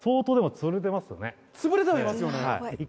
潰れてはいますよね。